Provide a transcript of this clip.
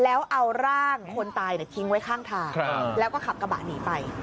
แล้วเอาร่างคนตายทิ้งไว้ข้างทางแล้วก็ขับกระบะหนีไป